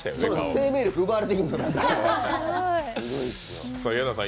生命力奪われていくから、あれ。